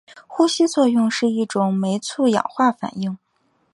呼吸作用是一种酶促氧化反应。